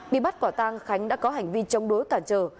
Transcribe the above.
bị bắt quả tang khánh đã có hành vi chống đối cản trở